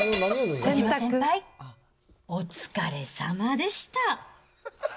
小島先輩、お疲れさまでした。